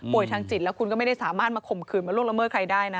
ทางจิตแล้วคุณก็ไม่ได้สามารถมาข่มขืนมาล่วงละเมิดใครได้นะ